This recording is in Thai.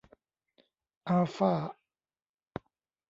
อัลฟ่า